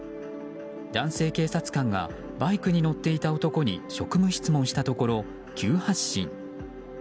男性警察官がバイクに乗っていた男に職務質問したところ、急発進。